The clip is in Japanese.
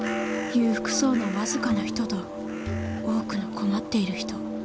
裕福そうな僅かな人と多くの困っている人。